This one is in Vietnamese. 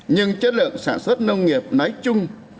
nhưng chất lượng sản xuất nông nghiệp nói chung